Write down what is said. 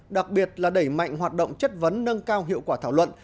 đặc biệt là đẩy mạnh hoạt động chất vấn nâng cao hiệu quả thảo luận